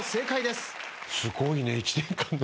すごいね１年間の。